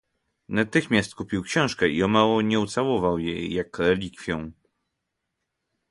"Natychmiast kupił książkę i omało nie ucałował jej jak relikwią."